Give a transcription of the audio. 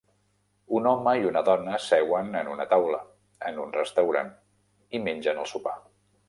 un home i una dona seuen en una taula en un restaurant i mengen el sopar